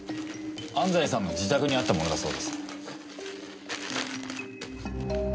安西さんの自宅にあったものだそうです。